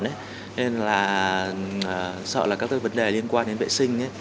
nên là sợ là các vấn đề liên quan đến vệ sinh